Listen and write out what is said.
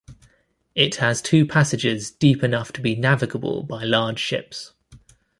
It has two passages deep enough to be navigable by large ships.